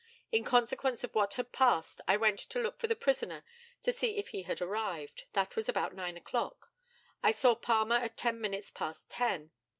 In consequence of what had passed, I went to look for the prisoner to see if he had arrived. That was about nine o'clock. I saw Palmer at ten minutes past ten.